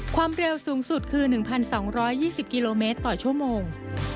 ความเร็วสูงสุดคือ๑๒๒๐กิโลเมตรต่อชั่วโมง